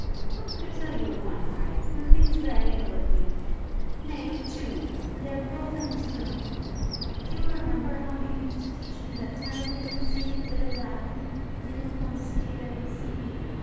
"I could tell you of one, Harry, who thinks very ill of me; nay, of two; and they are both in this room. Do you remember how you used to teach me that terribly conceited bit of Latin, Nil conscire sibi?